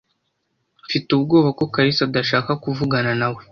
Mfite ubwoba ko Kalisa adashaka kuvugana nawe.